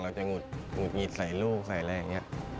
หงุดหงิดใส่ลูกใส่อะไรอย่างนี้